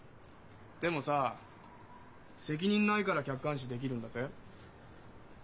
でもさ責任ないから客観視できるんだぜ。